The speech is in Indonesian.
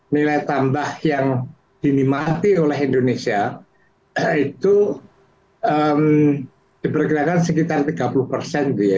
nilai tambah yang dinimati oleh indonesia itu diperkirakan sekitar tiga puluh gitu ya